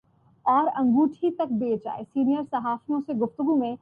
یہ ہماری تاریخ کا ایک دلچسپ اور پر اسرار باب ہے۔